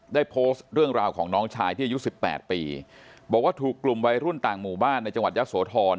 ได้โพสต์เรื่องราวของน้องชายที่อายุสิบแปดปีบอกว่าถูกกลุ่มวัยรุ่นต่างหมู่บ้านในจังหวัดยะโสธร